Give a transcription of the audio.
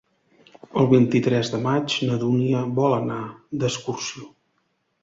El vint-i-tres de maig na Dúnia vol anar d'excursió.